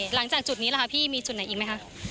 หลังจากจุดนี้ล่ะค่ะพี่มีจุดไหนอีกไหมคะ